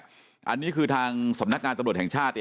อันนี้คือทางสำนักงานตำรวจแห่งชาติ